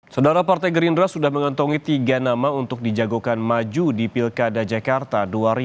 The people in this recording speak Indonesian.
saudara partai gerindra sudah mengantongi tiga nama untuk dijagokan maju di pilkada jakarta dua ribu tujuh belas